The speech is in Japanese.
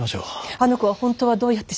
あの子は本当はどうやって死んだの。